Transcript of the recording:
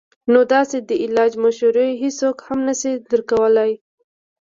نو داسې د علاج مشورې هيڅوک هم نشي درکولے -